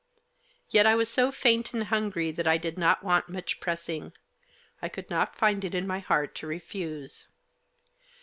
Yet I was so faint and hungry that I did not want much pressing. I could not find it in my heart to refuse.